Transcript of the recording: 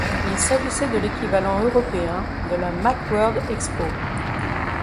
Il s'agissait de l’équivalent européen de la Macworld Expo.